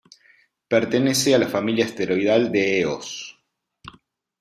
Pertenece a la familia asteroidal de Eos.